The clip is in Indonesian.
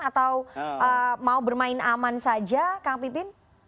atau mau bermain aman saja kang pipin